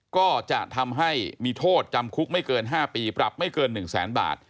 ก็จะทำให้มีโทษจำคุกไม่เกิน๕ปีปรับไม่เกิน๑แสนบาท